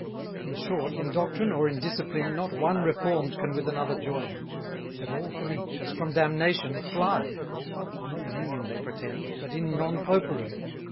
In short, in doctrine, or in discipline, Not one reform'd can with another join: 460 But all from each, as from damnation, fly; No union they pretend, but in Non Popery.